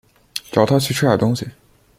找她去吃点东西